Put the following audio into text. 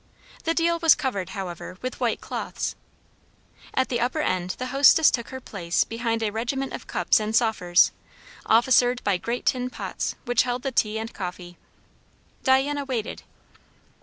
The deal was covered, however, with white cloths. At the upper end the hostess took her place behind a regiment of cups and saucers, officered by great tin pots which held the tea and coffee. Diana waited.